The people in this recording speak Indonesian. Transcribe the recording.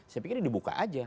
saya pikir dibuka aja